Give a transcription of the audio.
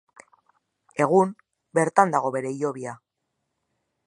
Egun, bertan dago bere hilobia.